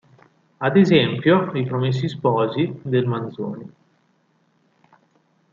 Ad esempio: "I promessi sposi" del Manzoni.